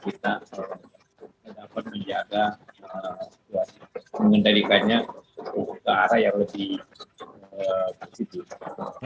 kita dapat menjaga mengendalikannya ke arah yang lebih positif